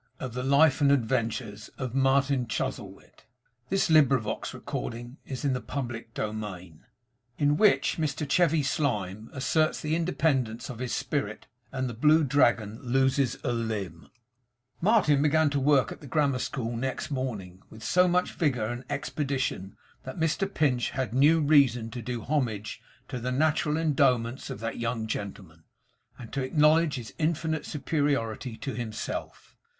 No wonder I dreamed of being frozen. Do call for some coals. What a fellow you are, Pinch!' CHAPTER SEVEN IN WHICH MR CHEVY SLYME ASSERTS THE INDEPENDENCE OF HIS SPIRIT, AND THE BLUE DRAGON LOSES A LIMB Martin began to work at the grammar school next morning, with so much vigour and expedition, that Mr Pinch had new reason to do homage to the natural endowments of that young gentleman, and to acknowledge his infinite superiority to himself.